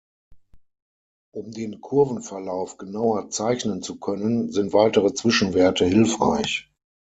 Um den Kurvenverlauf genauer zeichnen zu können, sind weitere Zwischenwerte hilfreich.